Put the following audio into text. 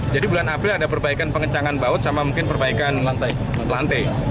jadi bulan april ada perbaikan pengencangan baut sama mungkin perbaikan lantai